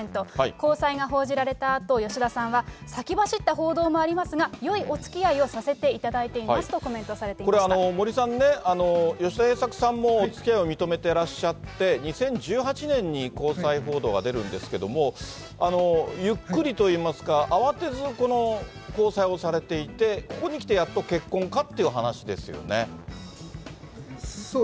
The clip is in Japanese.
交際が報じられたあと、吉田さんは、先走った報道もありますが、よいおつきあいをさせていただいていますとコメントされていましこれ、森さんね、吉田栄作さんもおつきあいを認めてらっしゃって、２０１８年に交際報道が出るんですけれども、ゆっくりといいますか、慌てず、この交際をされていて、ここに来てやっと結婚かという話ですよね。